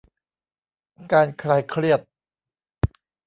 การคลายเครียด